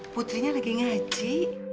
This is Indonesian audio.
putrinya lagi ngaji